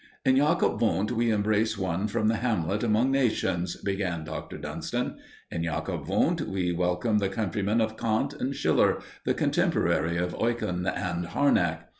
"In Jacob Wundt we embrace one from the Hamlet among nations," began Dr. Dunston. "In Jacob Wundt we welcome the countryman of Kant and Schiller, the contemporary of Eucken and Harnack!